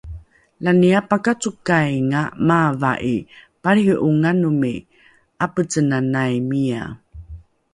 Lani apakacokainga maava'i, palriho'anganomi 'apecenanai miya